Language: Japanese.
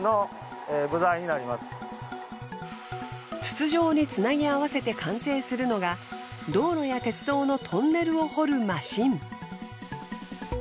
筒状につなぎ合わせて完成するのが道路や鉄道のトンネルを掘るマシン。